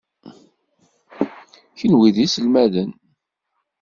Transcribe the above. Kenwi d iselmaden.